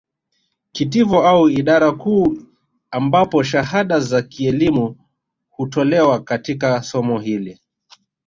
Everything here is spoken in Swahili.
Kitivo au idara kuu ambapo shahada za kielimu hutolewa katika somo hili